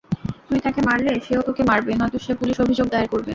তুই তাকে মারলে, সেও তোকে মারবে, নয়তো সে পুলিশ অভিযোগ দায়ের করবে।